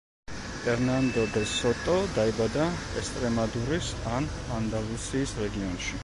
ერნანდო დე სოტო დაიბადა ესტრემადურის ან ანდალუსიის რეგიონში.